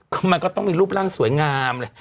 คือมันก็ต้องมีรูปร่างสวยงามเลย